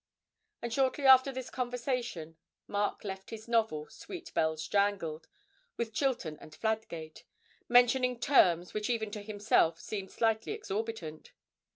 And shortly after this conversation Mark left his novel, 'Sweet Bells Jangled,' with Chilton and Fladgate, mentioning terms which even to himself seemed slightly exorbitant.